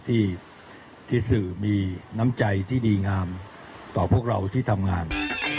ที่สื่อมีน้ำใจที่ดีงามต่อพวกเราที่ทำงาน